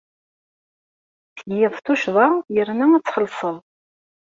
Tgiḍ tuccḍa yerna ad tt-txellṣeḍ.